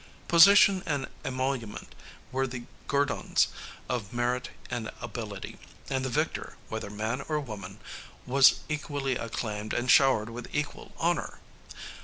Position and emolument were the guerdons of merit and ability, and the victor, whether man or woman, was equally acclaimed and showered with equal honor.